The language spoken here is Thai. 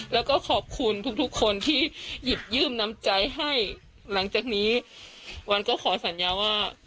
แล้วก็ขอบคุณทุกทุกคนที่หยิบยืมน้ำใจให้หลังจากนี้วันก็ขอสัญญาว่า